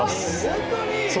本当に？